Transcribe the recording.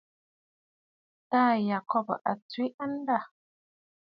Taà Yacob a tswe andâ.